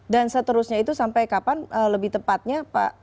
dan seterusnya itu sampai kapan lebih tepatnya